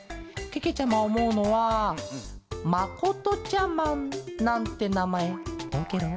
けけちゃまおもうのはまことちゃマンなんてなまえどうケロ？